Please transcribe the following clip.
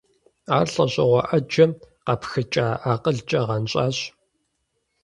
Ар лӀэщӀыгъуэ Ӏэджэм къапхыкӀа акъылкӀэ гъэнщӀащ.